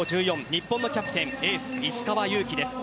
日本のキャプテンエース・石川祐希です。